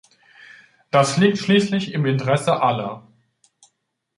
Das liegt schließlich im Interesse aller.